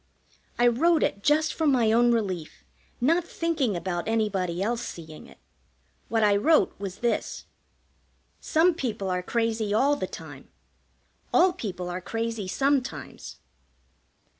I wrote it just for my own relief, not thinking about anybody else seeing it. What I wrote was this: "Some people are crazy all the time; All people are crazy sometimes."